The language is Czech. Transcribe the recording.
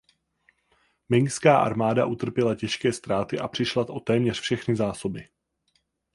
Mingská armáda utrpěla těžké ztráty a přišla o téměř všechny zásoby.